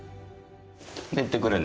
行ってくるね。